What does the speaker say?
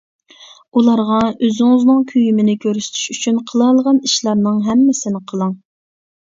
ئۇلارغا ئۆزىڭىزنىڭ كۆيۈمىنى كۆرسىتىش ئۈچۈن قىلالىغان ئىشلارنىڭ ھەممىسىنى قىلىڭ.